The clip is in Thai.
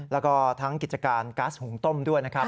แล้วก็ทั้งกิจการก๊าซหุงต้มด้วยนะครับ